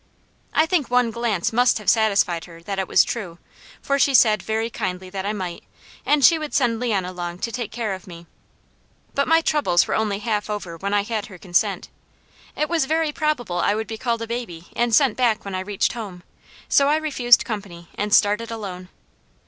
I think one glance must have satisfied her that it was true, for she said very kindly that I might, and she would send Leon along to take care of me. But my troubles were only half over when I had her consent. It was very probable I would be called a baby and sent back when I reached home, so I refused company and started alone.